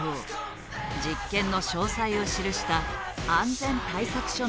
実験の詳細を記した安全対策書の作成や。